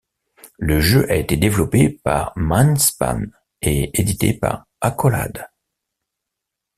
Le jeu a été développé par MindSpan et édité par Accolade.